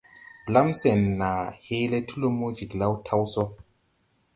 Blam sen naa hee le ti lumo Jiglao taw so.